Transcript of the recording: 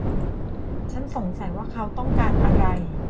ฉันสงสัยว่าเขาต้องการอะไร